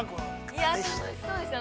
◆いや、楽しそうでしたね。